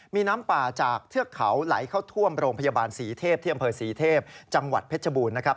มีน้ำป่าจากเทือกเขาไหลเข้าท่วมโรงพยาบาลศรีเทพที่อำเภอศรีเทพจังหวัดเพชรบูรณ์นะครับ